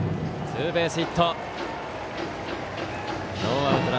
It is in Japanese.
ツーベースヒット。